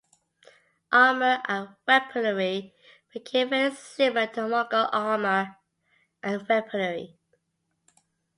Armor and weaponry became very similar to Mongol armor and weaponry.